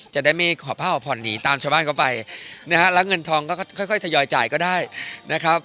จะได้ไม่ขอผ้าขอผ่อนหนีตามชาวบ้านเข้าไปนะฮะแล้วเงินทองก็ค่อยทยอยจ่ายก็ได้นะครับ